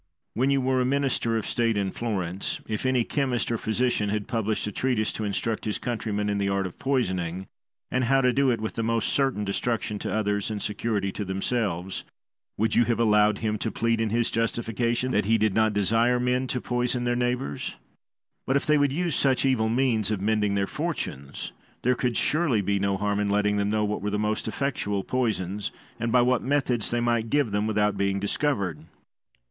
Guise. When you were a minister of state in Florence, if any chemist or physician had published a treatise, to instruct his countrymen in the art of poisoning, and how to do it with the most certain destruction to others and security to themselves, would you have allowed him to plead in his justification that he did not desire men to poison their neighbours? But, if they would use such evil means of mending their fortunes, there could surely be no harm in letting them know what were the most effectual poisons, and by what methods they might give them without being discovered.